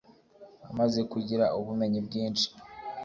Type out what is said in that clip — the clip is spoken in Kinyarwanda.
amaze kugira ubumenyi bwinshi